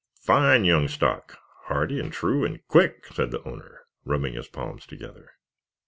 "Fine young stock, hardy and true and quick," said the owner, rubbing his palms together.